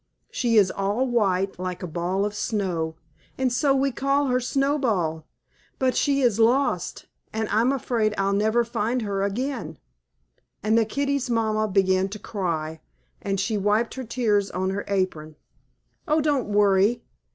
She is all white, like a ball of snow, and so we call her Snowball. But she is lost, and I'm afraid I'll never find her again," and the kittie's mamma began to cry, and she wiped her tears on her apron. "Oh, don't worry.